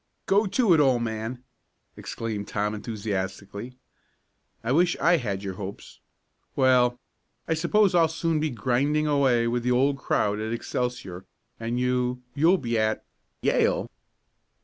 "Go to it, old man!" exclaimed Tom enthusiastically. "I wish I had your hopes. Well, I suppose I'll soon be grinding away with the old crowd at Excelsior, and you you'll be at Yale!"